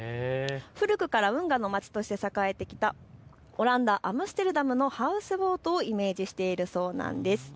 古くから運河の街として栄えてきたオランダ・アムステルダムのハウスボートをイメージしているそうなんです。